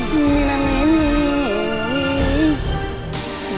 jujur sama papa